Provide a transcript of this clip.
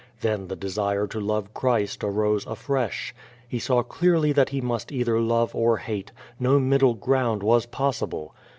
Then the desire to love Christ arose afresh. • He saw clearly that he must either love or hate, no middle ground was possible.